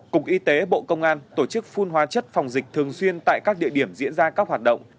cục y tế bộ công an tổ chức phun hóa chất phòng dịch thường xuyên tại các địa điểm diễn ra các hoạt động